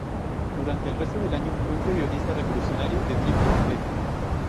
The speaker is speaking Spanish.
Durante el resto del año, fue un periodista revolucionario de tiempo completo.